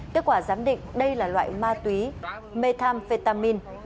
kết quả giám định đây là loại ma túy methamphetamin